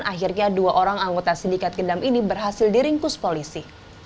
akhirnya dua orang anggota sindikat gendam ini berhasil diringkus polisi